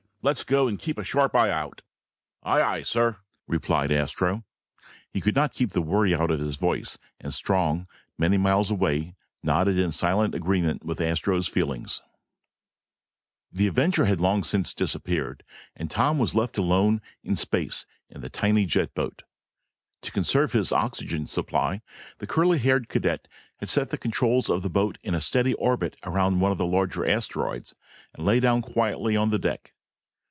Let's go, and keep a sharp eye out." "Aye, aye, sir," replied Astro. He could not keep the worry out of his voice, and Strong, many miles away, nodded in silent agreement with Astro's feelings. The Avenger had long since disappeared and Tom was left alone in space in the tiny jet boat. To conserve his oxygen supply, the curly haired cadet had set the controls of his boat on a steady orbit around one of the larger asteroids and lay down quietly on the deck.